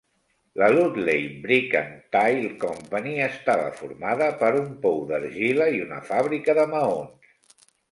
La Ludlay Brick and Tile Company estava formada per un pou d'argila i una fàbrica de maons.